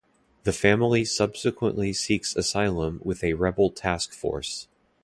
The family subsequently seeks asylum with a Rebel task force.